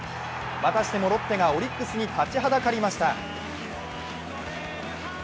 またしてもロッテがオリックスに立ちはだかりました。